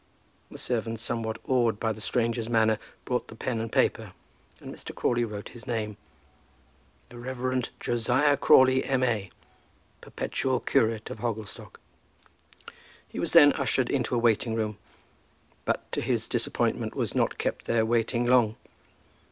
The servant, somewhat awed by the stranger's manner, brought the pen and paper, and Mr. Crawley wrote his name: THE REV. JOSIAH CRAWLEY, M.A., Perpetual Curate of Hogglestock. He was then ushered into a waiting room, but, to his disappointment, was not kept there waiting long.